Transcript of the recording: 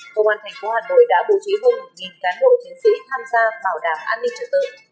công an thành phố hà nội đã bố trí hơn một cán bộ chiến sĩ tham gia bảo đảm an ninh trật tự